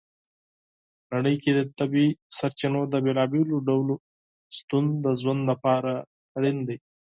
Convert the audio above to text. نړۍ کې د طبیعي سرچینو د بېلابېلو ډولو شتون د ژوند لپاره مهم دی.